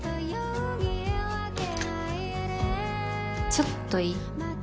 ちょっといい？